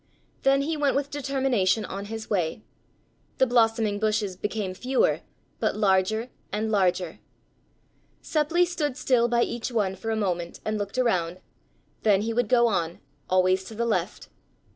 Then he went with determination on his way. The blossoming bushes became fewer, but larger and larger. Seppli stood still by each one for a moment and looked around, then he would go on, always to the left.